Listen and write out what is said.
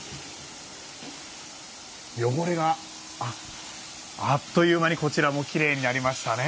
汚れがあっという間にこちらもきれいになりましたね。